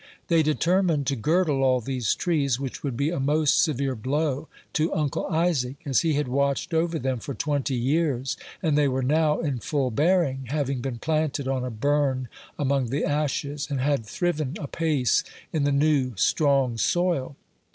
They determined to girdle all these trees, which would be a most severe blow to Uncle Isaac, as he had watched over them for twenty years; and they were now in full bearing, having been planted on a burn among the ashes, and had thriven apace in the new, strong soil.